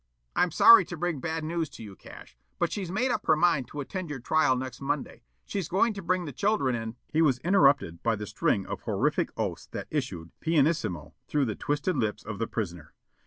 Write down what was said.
"I'm sorry to bring bad news to you, Cash, but she's made up her mind to attend your trial next Monday. She's going to bring the children and " He was interrupted by the string of horrific oaths that issued, pianissimo, through the twisted lips of the prisoner.